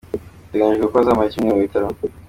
Biteganijwe ko azamara icyumweru mu bitaro.